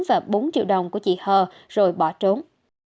và bốn triệu đồng của chị hờ rồi bỏ trốn